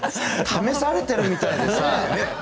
試されているみたいでさ。